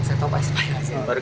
saya tahu pak ismail